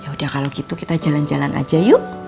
ya udah kalau gitu kita jalan jalan aja yuk